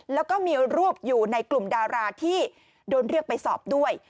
แล้วก็มีรูปอยู่ในกลุ่มดาราที่โดนเรียกไปสอบด้วย